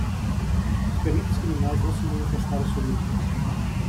Os peritos criminais não se manifestaram sobre o caso.